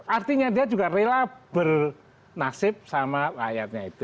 artinya dia juga rela bernasib sama rakyatnya itu